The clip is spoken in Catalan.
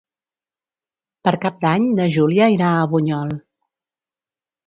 Per Cap d'Any na Júlia irà a Bunyol.